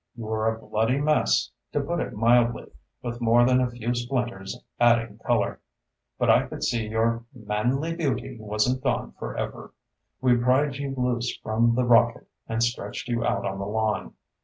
You were a bloody mess, to put it mildly, with more than a few splinters adding color. But I could see your manly beauty wasn't gone forever. We pried you loose from the rocket and stretched you out on the lawn.